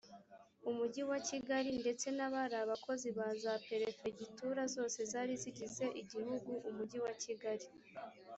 umujyi wa kigali ndetse n abari abakozi baza perefegitura zose zari zigize igihugu umujyi wa kigali